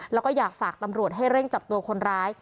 แล้วก็อยากฝากตำรวจให้เร่งจับตัวคนร้าย